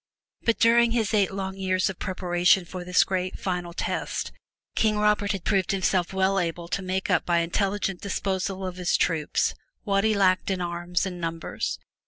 But during his eight long years of preparation for this great final test, King Robert had proved himself well able to make up by intelligent disposal of his troops what he lacked in arms and numbers.